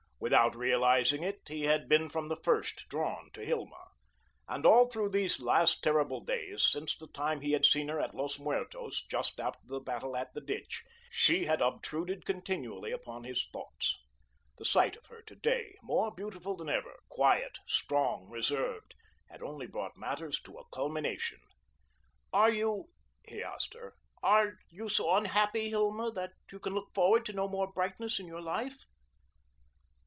Without realising it, he had been from the first drawn to Hilma, and all through these last terrible days, since the time he had seen her at Los Muertos, just after the battle at the ditch, she had obtruded continually upon his thoughts. The sight of her to day, more beautiful than ever, quiet, strong, reserved, had only brought matters to a culmination. "Are you," he asked her, "are you so unhappy, Hilma, that you can look forward to no more brightness in your life?"